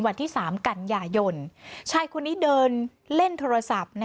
วันที่๓กันยายนชายคนนี้เดินเล่นโทรศัพท์